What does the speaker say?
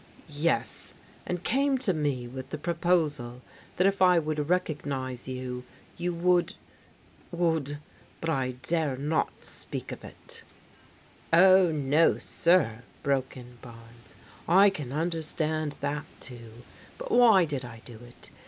"Yes, and came to me with the proposal that if I would recognize you, you would — would — but I dare not speak of it" " Oh, no, sir," broke in Barnes, " I can understand that, too: but why did I do it?